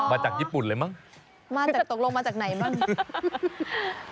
มาจากญี่ปุ่นเลยมั้งมาจากตกลงมาจากไหนบ้าง